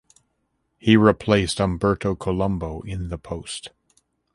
He replaced Umberto Colombo in the post.